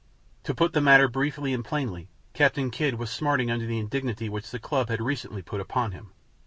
To put the matter briefly and plainly, Captain Kidd was smarting under the indignity which the club had recently put upon him.